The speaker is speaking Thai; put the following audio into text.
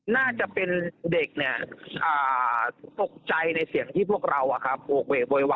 น่าจะเป็นเด็กตกใจในเสียงที่พวกเราโหกเวกโวยวา